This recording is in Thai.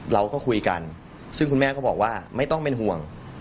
เราก็คุยกันซึ่งคุณแม่ก็บอกว่าไม่ต้องเป็นห่วง